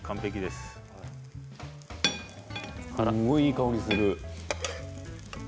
すごいいい香りする。